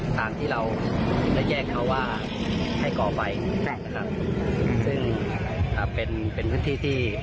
ทางที่เราได้แยกเขาว่าให้กอไฟครับซึ่งเป็นเป็นพื้นที่